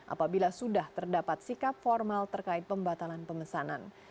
apabila sudah terdapat sikap formal terkait pembatalan pemesanan